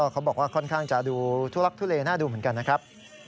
เขาบอกว่าค่อนข้างจะดูทุลักทุเลน่าดูเหมือนกันนะครับ